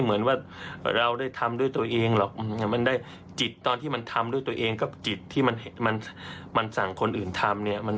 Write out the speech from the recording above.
มันได้จิตตอนที่มันทำด้วยตัวเองก็จิตที่มันสั่งคนอื่นทำ